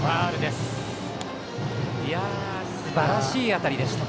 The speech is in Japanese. すばらしい当たりでした。